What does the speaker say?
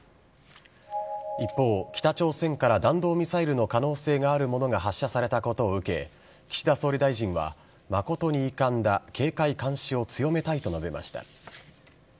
一方、北朝鮮から弾道ミサイルの可能性のあるものが発射されたことを受け、岸田総理大臣は、誠に遺憾だ、警戒・監視を強めたいと述べました。